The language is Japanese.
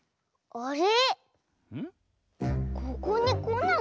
あれ？